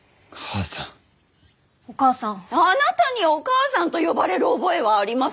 あなたにお義母さんと呼ばれる覚えはありません。